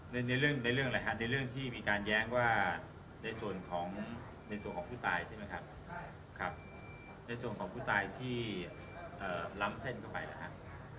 ในเรื่องในเรื่องอะไรฮะในเรื่องที่มีการแย้งว่าในส่วนของในส่วนของผู้ตายใช่ไหมครับในส่วนของผู้ตายที่ล้ำเส้นเข้าไปนะครับ